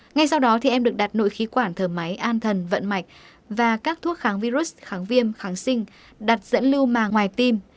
ngay sau đó em được đặt nội khí quản thở máy an thần vận mạch và các thuốc kháng virus kháng viêm kháng sinh đặt dẫn lưu màng ngoài tim